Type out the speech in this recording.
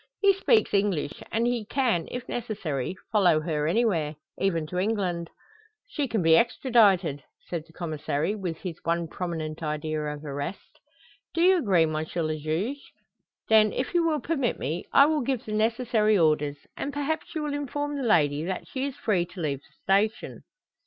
He speaks English, and he can, if necessary, follow her anywhere, even to England." "She can be extradited," said the Commissary, with his one prominent idea of arrest. "Do you agree, M. le Juge? Then, if you will permit me, I will give the necessary orders, and perhaps you will inform the lady that she is free to leave the station?"